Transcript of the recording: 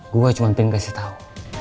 gua cuma pengen kasih tau